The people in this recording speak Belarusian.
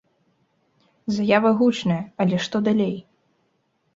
Заява гучная, але што далей?